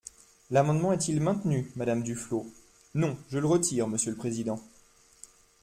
L’amendement est-il maintenu, Madame Duflot ? Non, je le retire, monsieur le président.